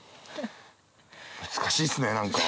難しいっすね何か。